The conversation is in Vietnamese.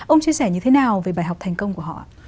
ông chia sẻ như thế nào về bài học thành công của họ